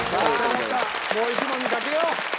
もう一問にかけよう。